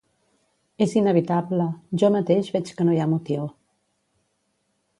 És inevitable, jo mateix veig que no hi ha motiu.